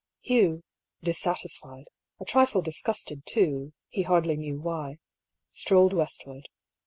Hugh, dissatisfied, a trifle disgusted too, he hardly knew why, strolled westward.